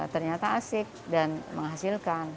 ternyata asik dan menghasilkan